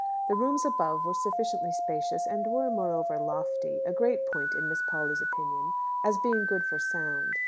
The rooms above were sufficiently spacious, and were, moreover, lofty a great point in Miss Polly's opinion, as being good for sound.